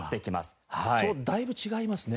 だいぶ違いますね。